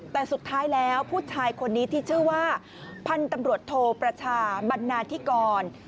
แต่สุดท้ายแล้วผู้ชายคนนี้ที่ชื่อว่าพันธุ์ตำรวจโทประชาบันนาธิกร